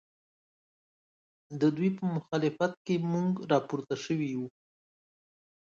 ددوی په مخالفت کې موږ راپورته شوي یو